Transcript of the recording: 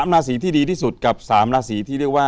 ราศีที่ดีที่สุดกับ๓ราศีที่เรียกว่า